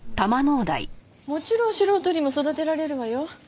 もちろん素人にも育てられるわよ。